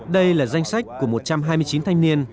đây là danh sách của một trăm hai mươi chín thanh niên